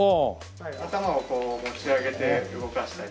頭をこう持ち上げて動かしたり。